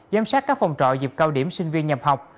giám sát các phòng trọ dịp cao điểm sinh viên nhập học